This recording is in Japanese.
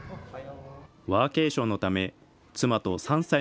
ワーケーションのため、妻と３歳